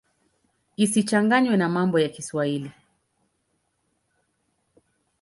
Isichanganywe na mambo ya Kiswahili.